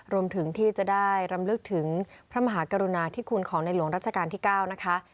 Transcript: รวมถึงที่จะได้รำลึกถึงพระมหากรุณาธิคุณของในหลวงรัชกาลที่๙นะคะ